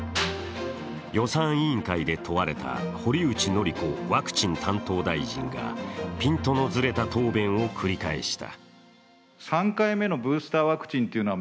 予算委員会で問われた堀内詔子ワクチン担当大臣がピントのずれた答弁を繰り返した。